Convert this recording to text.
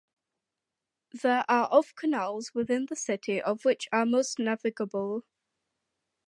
There are of canals within the city, of which most are navigable.